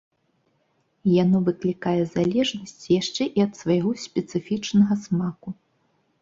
Яно выклікае залежнасць яшчэ і ад свайго спецыфічнага смаку.